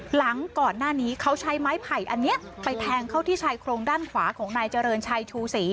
หลังก่อนหน้านี้เขาใช้ไม้ไผ่อันนี้ไปแทงเข้าที่ชายโครงด้านขวาของนายเจริญชัยชูศรี